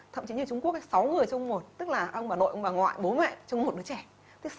thậm chí người trung quốc sáu người trong một tức là ông bà nội ông bà ngoại bố mẹ trong một đứa trẻ